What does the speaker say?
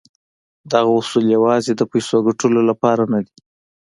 دغه اصول يوازې د پيسو ګټلو لپاره نه دي.